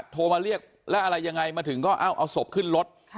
โทรมาเรียกแล้วอะไรยังไงมาถึงก็เอาศพขึ้นรถ